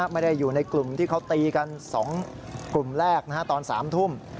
ไม่ได้อยู่ในกลุ่มที่เขาตีกัน๒กลุ่มแรกตอน๓ทุ่ม